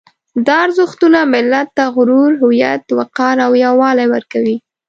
دا ارزښتونه ملت ته غرور، هویت، وقار او یووالی ورکوي.